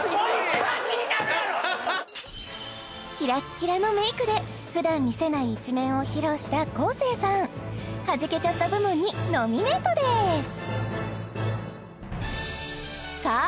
キラッキラのメイクでふだん見せない一面を披露した昴生さんハジけちゃった部門にノミネートですさあ